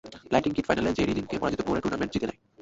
Lightning kid ফাইনালে জেরি লিনকে পরাজিত করে টুর্নামেন্ট জিতে নেয়।